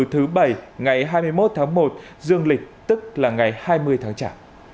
thứ bảy ngày hai mươi một tháng một dương lịch tức là ngày hai mươi tháng chả